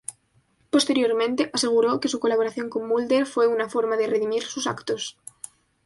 Posteriormente, aseguró que su colaboración con Mulder fue una forma de redimir sus actos.